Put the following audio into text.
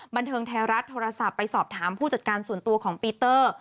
บันเทิงไทยรัฐโทรศัพท์ไปสอบถามผู้จัดการส่วนตัวของปีเตอร์